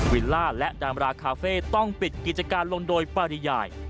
วิลล่าและดามราคาเฟ่ต้องปิดกิจการลงโดยปริยาย